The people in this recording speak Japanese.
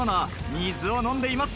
水を飲んでいます。